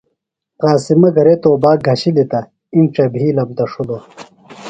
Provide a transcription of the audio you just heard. قاسمہ گھرے توباک گھشِلیۡ تہ اِنڇہ بِھیلم دڇھلوۡ۔